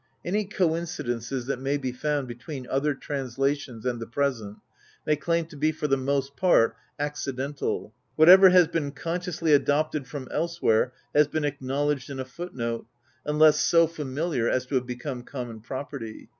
Any coincidences that may be found between other translations and the present may claim to be for the most part accidental. Whatever has been consciously adopted from elsewhere has been acknowledged in a footnote, imless so familiar as to have become common property.